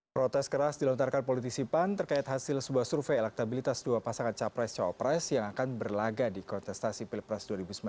protes keras dilontarkan politisi pan terkait hasil sebuah survei elektabilitas dua pasangan capres cawapres yang akan berlaga di kontestasi pilpres dua ribu sembilan belas